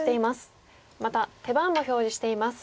また手番も表示しています。